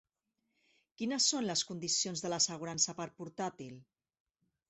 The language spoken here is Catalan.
Quines són les condicions de l'assegurança per portàtil?